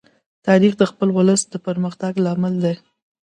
تاریخ د خپل ولس د پرمختګ لامل دی.